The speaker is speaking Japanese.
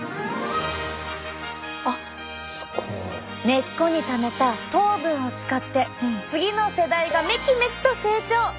根っこにためた糖分を使って次の世代がめきめきと成長！